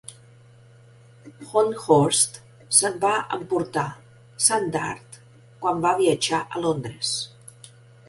Honthorst se'n va emportar Sandrart quan va viatjar a Londres.